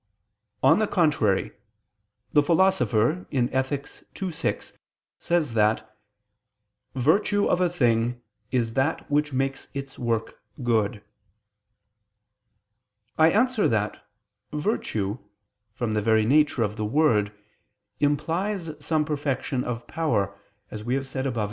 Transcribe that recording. On the contrary, The Philosopher (Ethic. ii, 6) says that "virtue of a thing is that which makes its work good." I answer that, Virtue, from the very nature of the word, implies some perfection of power, as we have said above (A.